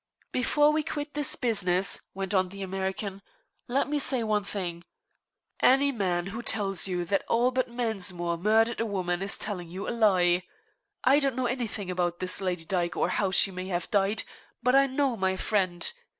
"Before we quit this business," went on the American, "let me say one thing. Any man who tells you that Albert Mensmore murdered a woman is telling you a lie. I don't know anything about this Lady Dyke, or how she may have died, but I do know my friend.